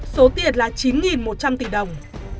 số tiền là chín một trăm linh tỷ đồng